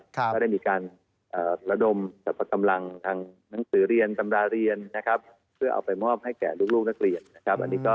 ก็ได้มีการระดมสรรพกำลังทางหนังสือเรียนตำราเรียนนะครับเพื่อเอาไปมอบให้แก่ลูกนักเรียนนะครับ